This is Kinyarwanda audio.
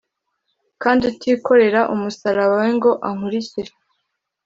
kandi utikorera umusaraba we ngo ankurikire